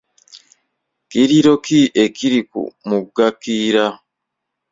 Kiyiriro ki ekiri ku mugga kiyira?